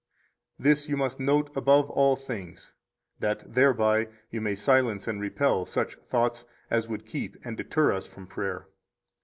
9 This you must note above all things, that thereby you may silence and repel such thoughts as would keep and deter us from prayer.